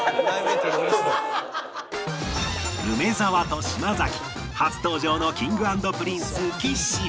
梅沢と島崎初登場の Ｋｉｎｇ＆Ｐｒｉｎｃｅ 岸